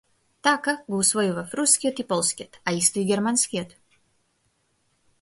Така го усвојував рускиот и полскиот, а исто и германскиот.